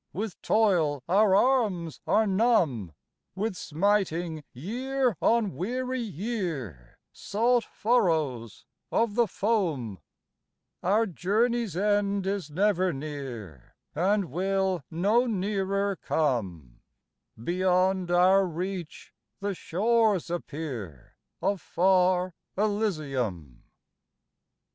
With toil our arms are numb; With smiting year on weary year Salt furrows of the foam: Our journey's end is never near, And will no nearer come Beyond our reach the shores appear Of far Elysium."